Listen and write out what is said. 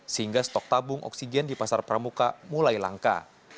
sehingga stok tabung oksigen di pasar pramuka mulai langka